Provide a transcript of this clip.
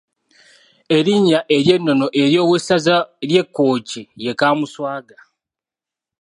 Erinnya ery’ennono ery’owessaza ly’e Kkooki ye Kaamuswaga.